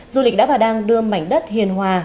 du lịch đã và đang đưa mảnh đất hiền hòa